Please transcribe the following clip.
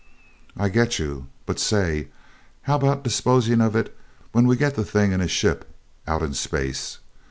"I get you but say, how about disposing of it when we get the thing in a ship out in space?